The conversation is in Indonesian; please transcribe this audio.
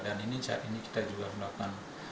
dan ini saat ini kita juga melakukan